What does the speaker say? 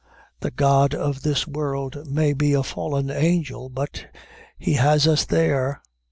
The god of this world may be a fallen angel, but he has us _there!